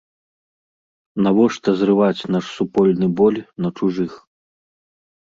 Навошта зрываць наш супольны боль на чужых?